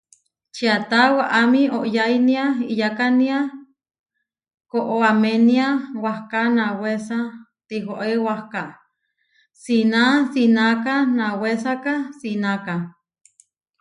Čiáta waʼámi oyainia iʼyakania, koʼaménia wahká nawésa tihoé wahká, sina sináka nawésaka sináka.